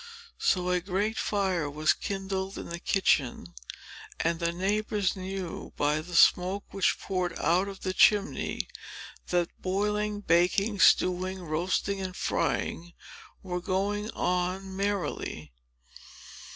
So a great fire was kindled in the kitchen; and the neighbors knew by the smoke which poured out of the chimney, that boiling, baking, stewing, roasting, and frying, were going on merrily.